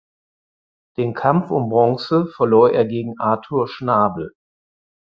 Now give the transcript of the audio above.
Den Kampf um Bronze verlor er gegen Arthur Schnabel.